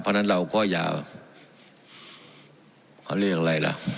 เพราะฉะนั้นเราก็อย่าเขาเรียกอะไรล่ะ